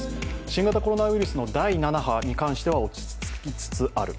新型コロナウイルスの第７波に関しては落ち着きつつある。